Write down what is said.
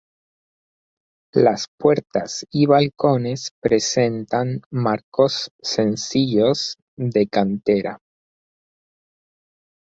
Las puertas y balcones presentan marcos sencillos de cantera.